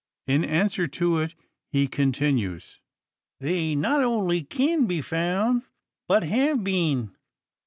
In answer to it he continues: "They not only kin be foun', but hev been.